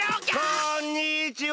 こんにちは！